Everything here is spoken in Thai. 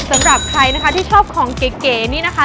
สำหรับใครนะคะที่ชอบของเก๋นี่นะคะ